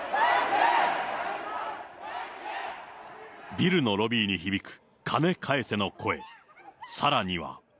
ビルのロビーに響く金返せの声。